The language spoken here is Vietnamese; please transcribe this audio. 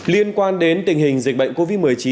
liên quan đến tình hình dịch bệnh covid một mươi chín